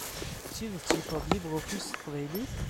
D tidet yeffeɣ-d LibreOffice s teqbaylit?